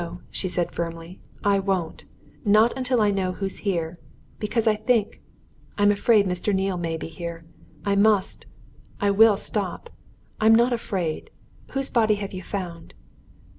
she said firmly. "I won't! Not until I know who's here. Because I think I'm afraid Mr. Neale may be here. I must I will stop! I'm not afraid. Whose body have you found?"